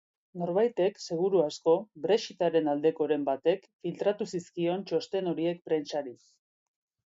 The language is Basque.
Norbaitek, seguru asko brexit-aren aldekoren batek, filtratu zizkion txosten horiek prentsari.